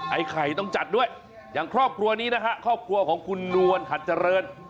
ไอ้ไข่ต้องจัดด้วยอย่างครอบครัวนี้นะฮะครอบครัวของคุณนวลหัดเจริญ